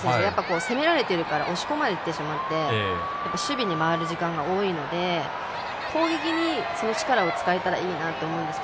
攻められて押し込まれてしまって守備に回る時間が多いので攻撃にその力を使えたらいいなと思います。